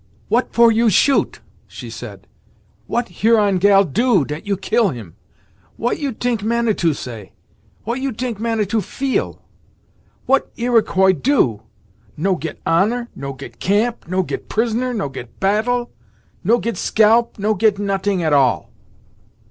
"What for you shoot?" she said. "What Huron gal do, dat you kill him? What you t'ink Manitou say? What you t'ink Manitou feel? What Iroquois do? No get honour no get camp no get prisoner no get battle no get scalp no get not'ing at all!